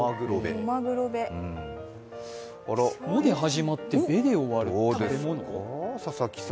「も」で始まって「べ」で終わる食べ物か？